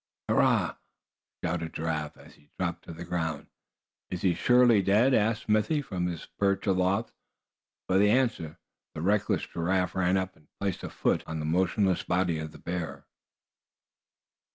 "Hurrah!" shouted Giraffe, as he dropped to the ground. "Is he surely dead?" asked Smithy, from his perch aloft. For answer the reckless Giraffe ran up, and placed a foot on the motionless body of the bear.